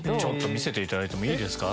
見せていただいてもいいですか？